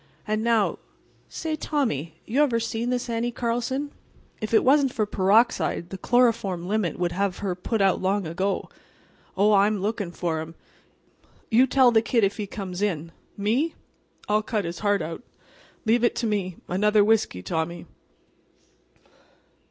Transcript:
And now—say, Tommy, you ever see this Annie Karlson? If it wasn't for peroxide the chloroform limit would have put her out long ago. Oh, I'm lookin' for 'm. You tell the Kid if he comes in. Me? I'll cut his heart out. Leave it to me. Another whiskey, Tommy."